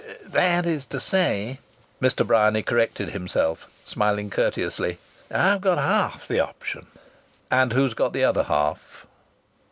"That is to say," Mr. Bryany corrected himself, smiling courteously, "I've got half the option." "And who's got the other half?"